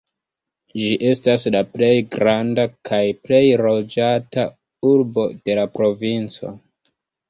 Ĝi estas la plej granda kaj plej loĝata urbo de la provinco.